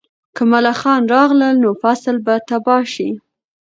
که ملخان راغلل، نو فصل به تباه شي.